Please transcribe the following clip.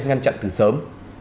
ngăn chặn từ sớm